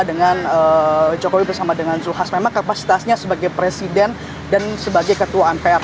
dan jokowi bersama dengan zulkifli hasan memang kapasitasnya sebagai presiden dan sebagai ketua npr